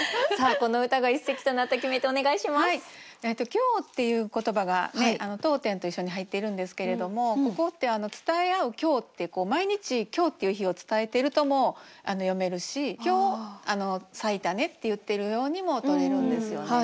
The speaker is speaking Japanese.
「今日」っていう言葉が読点と一緒に入っているんですけれどもここって「伝えあう今日」って毎日今日っていう日を伝えてるとも読めるし「今日咲いたね」って言ってるようにもとれるんですよね。